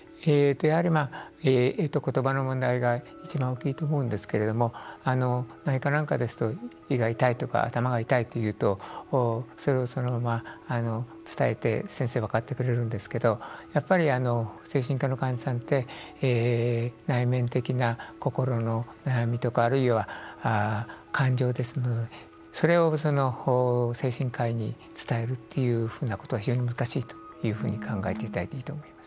言葉の問題が一番大きいと思うんですけども内科なんかですと胃が痛いですとか頭が痛いというとそれをそのまま、伝えて先生、分かってくれるんですけどやっぱり、精神科の患者さんって内面的な心の悩みとかあるいは感情ですので、それを精神科医に伝えるっていうことは非常に難しいというふうに考えていただいていいと思います。